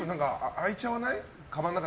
開いちゃわない？